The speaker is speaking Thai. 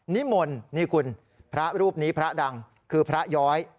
นิมนต์นี่คุณพระรูปนี้พระดังคือพระย้อย